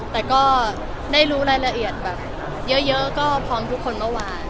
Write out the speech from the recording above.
แต่ได้รู้รายละเอียดแบบเยอะพร้อมทุกคนบ้าง